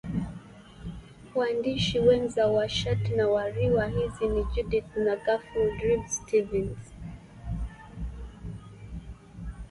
Shatner's co-writers for these novels are Judith and Garfield Reeves-Stevens.